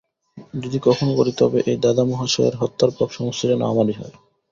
যদি কখনো করি, তবে এই দাদামহাশয়ের হত্যার পাপ সমস্ত যেন আমারই হয়।